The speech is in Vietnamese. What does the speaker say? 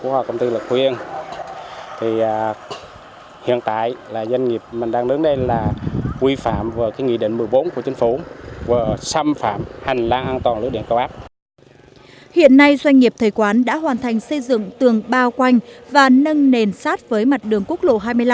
hiện nay doanh nghiệp thầy quán đã hoàn thành xây dựng tường bao quanh và nâng nền sát với mặt đường quốc lộ hai mươi năm